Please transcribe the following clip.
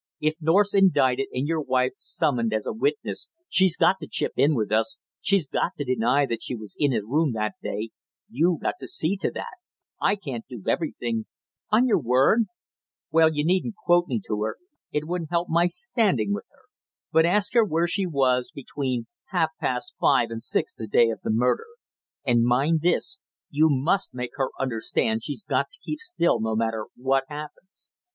If North's indicted and your wife's summoned as a witness, she's got to chip in with us, she's got to deny that she was in his room that day you got to see to that, I can't do everything " "On your word " "Well, you needn't quote me to her it wouldn't help my standing with her but ask her where she was between half past five and six the day of the murder; and mind this, you must make her understand she's got to keep still no matter what happens!